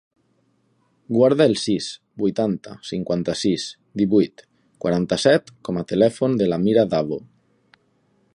Guarda el sis, vuitanta, cinquanta-sis, divuit, quaranta-set com a telèfon de l'Amira Davo.